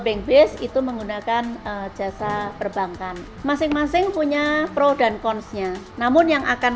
bank base itu menggunakan jasa perbankan masing masing punya pro dan konsnya namun yang akan